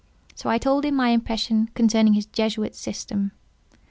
So I told him my impressions concerning his Jesuit system.